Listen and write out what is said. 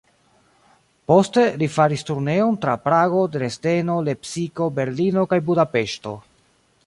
Poste, li faris turneon tra Prago, Dresdeno, Lepsiko, Berlino kaj Budapeŝto.